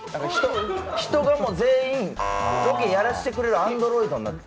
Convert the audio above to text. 人が全員ロケやらせてくれるアンドロイドになってる。